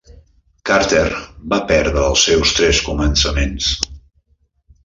Carter va perdre els seus tres començaments.